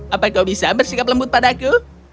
apa kau bisa bersikap lembut padaku